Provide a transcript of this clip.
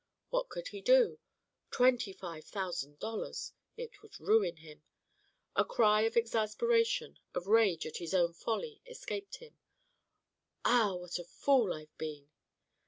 What could he do? Twenty five thousand dollars! It would ruin him. A cry of exasperation, of rage at his own folly, escaped him. "Ah, what a fool I've been!"